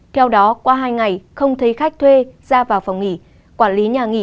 theo đó qua hai ngày không thấy khách thuê ra vào phòng nghỉ quản lý nhà nghỉ